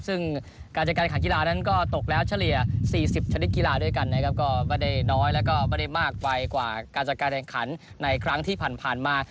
ซึ่งการจัดการขันกีฬานั้นก็ตกแล้วเฉลี่ย๔๐ชนิดกีฬาด้วยกันนะครับก็ไม่ได้น้อยแล้วก็ไม่ได้มากไปกว่าการจัดการแข่งขันในครั้งที่ผ่านมา